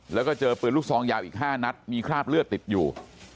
แล้วก็เจอปืนลูกซองยาวอีก๕นัดมีคราบเลือดติดอยู่